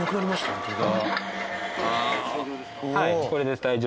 ホントだ。